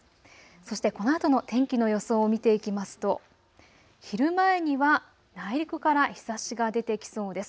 そしてこのあとの天気の予想を見ていきますと昼前には内陸から日ざしが出てきそうです。